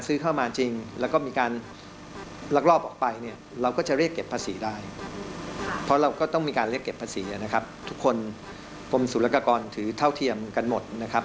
สุรกากรถือเท่าเทียมกันหมดนะครับ